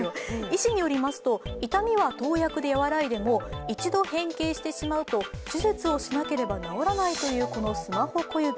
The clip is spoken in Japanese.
医師によりますと痛みは投薬で和らいでも一度変形してしまうと手術をしなければ治らないというこのスマホ小指。